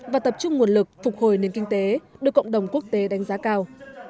và tập trung nguồn lực phục hồi nền kinh tế được cộng đồng quốc tế đánh giá cao